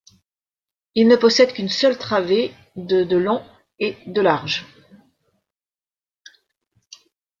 Il ne possède qu'une seule travée de de long et de large.